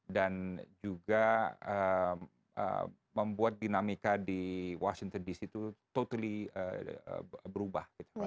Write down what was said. dan juga membuat dinamika di washington dc itu totally berubah